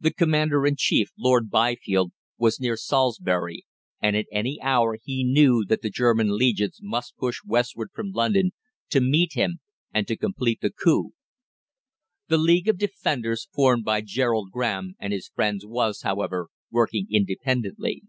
The Commander in Chief, Lord Byfield, was near Salisbury, and at any hour he knew that the German legions might push westward from London to meet him and to complete the coup. The League of Defenders formed by Gerald Graham and his friends was, however, working independently.